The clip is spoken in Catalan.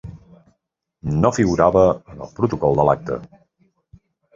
No figurava en el protocol de l’acte.